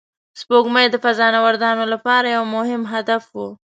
سپوږمۍ د فضانوردانو لپاره یو مهم هدف و